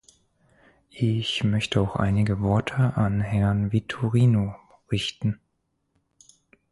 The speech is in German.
Ich möchte auch einige Worte an Herrn Vitorino richten.